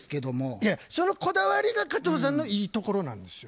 いやそのこだわりが加藤さんのいいところなんですよ。